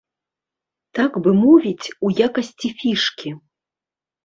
Так бы мовіць, у якасці фішкі.